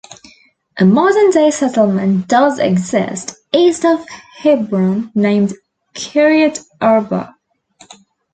A modern-day settlement does exist east of Hebron named Kiryat Arba.